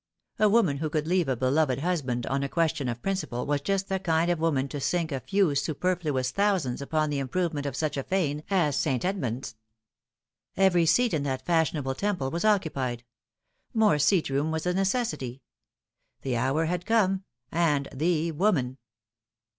A woman who could leave a beloved husband on a question of principle was just the kind of woman to sink a few superfluous thousands upon the improvement of Higher Views. 203 such a fane as St. Edmund's. Every seat in that fashionable temple was occupied. More seat room was a necessity. The hour had come, and the woman.